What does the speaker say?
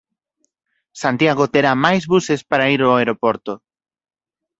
Santiago terá máis buses para ir ao aeroporto